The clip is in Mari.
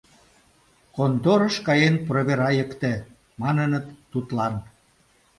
— Конторыш каен проверайыкте, — маныныт тудлан.